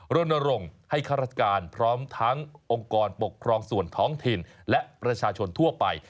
รณรงค์ให้ข้าราชการพร้อมทั้งองค์กรปกครองส่วนท้องถิ่นและประชาชนทั่วไป